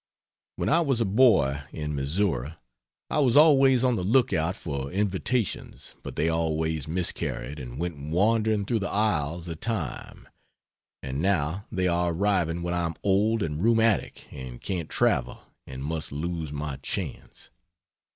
When I was a boy in Missouri I was always on the lookout for invitations but they always miscarried and went wandering through the aisles of time; and now they are arriving when I am old and rheumatic and can't travel and must lose my chance.